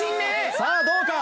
さあどうか？